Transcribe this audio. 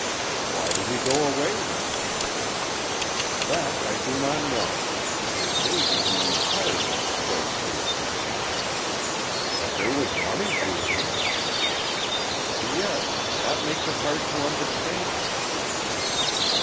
"Why did he go away, then?" "That I do not know. It may be he tired of the place here." "But there was money due him." "Yes; that makes it hard to understand."